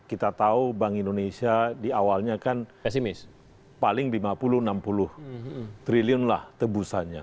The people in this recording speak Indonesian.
kita tahu bank indonesia di awalnya kan paling lima puluh enam puluh triliun lah tebusannya